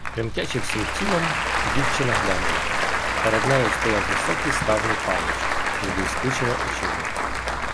Тремтячи всім тілом, дівчина глянула: перед нею стояв високий ставний панич, з блискучими очима.